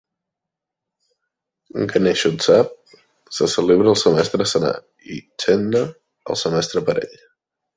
"Ganeshotsav" se celebra al semestre senar i "Chetna" al semestre parell.